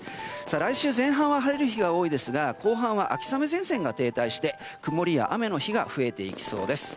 来週前半は晴れる日が多いですが後半は秋雨前線が停滞して曇りや雨の日が増えそうです。